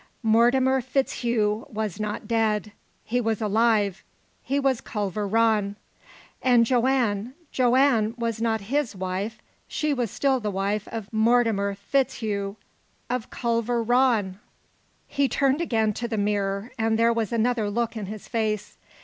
Mortimer FitzHugh was not dead. He was alive. He was Culver Rann. And Joanne Joanne was not his wife; she was still the wife of Mortimer FitzHugh of Culver Rann! He turned again to the mirror, and there was another look in his face.